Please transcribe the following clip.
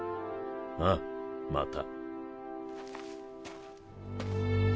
ああまた。